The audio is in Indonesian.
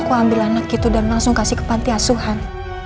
makanya aku ambil anak itu dan langsung kasih ke pantai asuhan